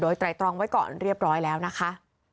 ไตรตรองไว้ก่อนเรียบร้อยแล้วนะคะ